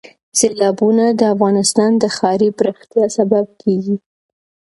سیلابونه د افغانستان د ښاري پراختیا سبب کېږي.